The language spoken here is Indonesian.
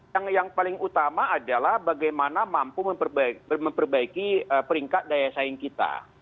yang paling utama adalah bagaimana mampu memperbaiki peringkat daya saing kita